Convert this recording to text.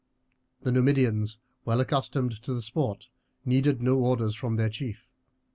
The Numidians, well accustomed to the sport, needed no orders from their chief.